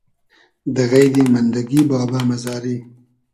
دۂ غݷدی مئندئگی بابۂ مئزاری